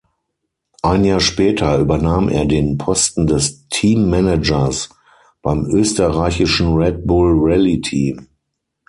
Ein Jahr später übernahm er den Posten des Team Managers beim österreichischen Red-Bull-Rallye-Team.